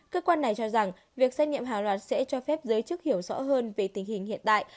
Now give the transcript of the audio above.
cơ quan này cho rằng việc xét nghiệm hà sẽ cho phép giới chức hiểu rõ hơn về tình hình hiện tại